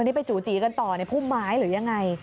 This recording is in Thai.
นี่ไปจู่จีกันต่อในพุ่มไม้หรือยังไง